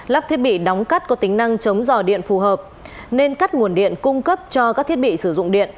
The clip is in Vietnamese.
lắp thiết bị đóng cắt có tính năng chống dò điện phù hợp nên cắt nguồn điện cung cấp cho các thiết bị sử dụng điện